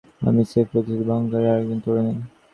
আমি স্রেফ প্রতিশ্রুতি ভঙ্গকারী আরেকজন তরুণী।